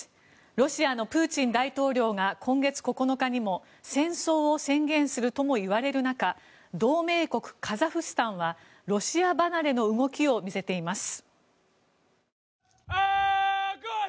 ロシアのプーチン大統領が今月９日にも戦争を宣言するともいわれる中同盟国カザフスタンはロシア離れの動きを見せています。